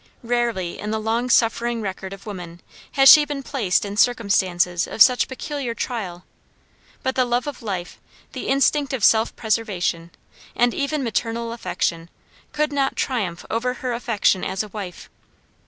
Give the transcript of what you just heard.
Rarely in the long suffering record of woman, has she been placed in circumstances of such peculiar trial, but the love of life, the instinct of self preservation, and even maternal affection, could not triumph over her affection as a wife.